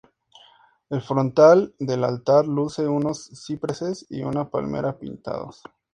El frontal del altar luce unos cipreses y una palmera pintados.